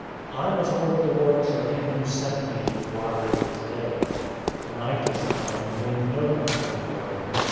009:004 I must work the works of him who sent me, while it is day. The night is coming, when no one can work.